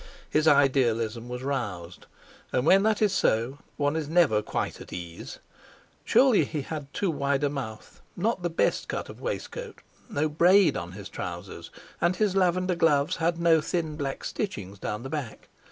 His idealism was roused; and when that is so, one is never quite at ease. Surely he had too wide a mouth, not the best cut of waistcoat, no braid on his trousers, and his lavender gloves had no thin black stitchings down the back.